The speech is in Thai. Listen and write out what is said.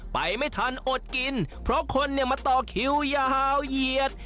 ไปไม่ทันอดกินเพราะคนเนี่ยมาต่อคิวยาวเหยียด